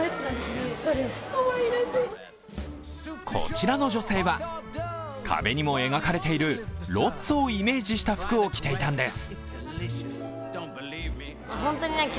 こちらの女性は、壁にも描かれているロッツォをイメージした服を着ていたんです。